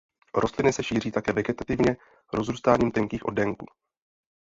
Rostliny se šíří také vegetativně rozrůstáním tenkých oddenků.